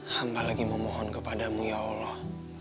hamba lagi memohon kepadamu ya allah